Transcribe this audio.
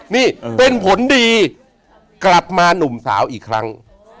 นี่เป็นผลดีกลับมาหนุ่มสาวอีกครั้ง